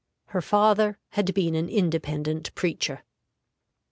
Her father had been an Independent preacher.